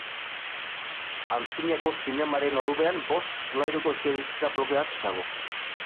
Antzinako zinemaren orubean bost solairuko etxebizitza bloke bat dago.